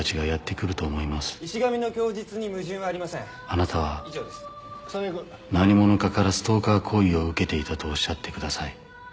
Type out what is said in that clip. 「あなたは何者かからストーカー行為を受けていたとおっしゃってください」